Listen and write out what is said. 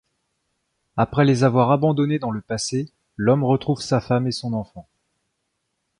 Après les avoir abandonnés dans le passé, l'homme retrouve sa femme et son enfant.